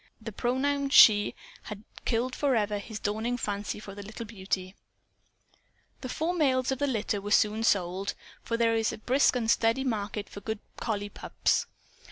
The pronoun, "she," had killed forever his dawning fancy for the little beauty. The four males of the litter were soon sold; for there is a brisk and a steady market for good collie pups.